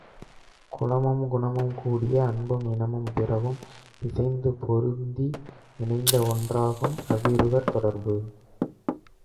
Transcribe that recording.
குலமும் குணமும் கூடிய, அன்பும் இனமும் பிறவும் இசைந்து பொருந்தி இணைந்த ஒன்றாகும் அவ்விருவர் தொடர்பு.